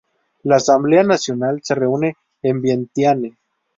La Asamblea Nacional se reúne en Vientiane.